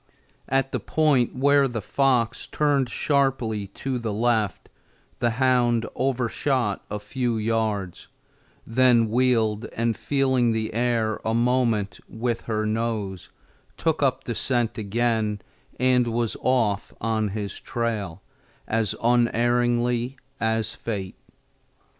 At the point where the fox turned sharply to the left, the hound overshot a few yards, then wheeled, and feeling the air a moment with her nose, took up the scent again and was off on his trail as unerringly as fate.